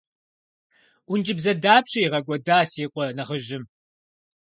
Ӏункӏыбзэ дапщэ игъэкӏуэда си къуэ нэхъыжьым?